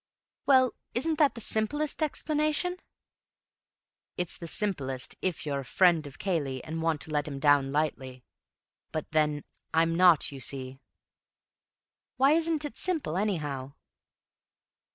"Well, isn't that the simplest explanation?" "It's the simplest if you're a friend of Cayley and want to let him down lightly. But then I'm not, you see." "Why isn't it simple, anyhow?"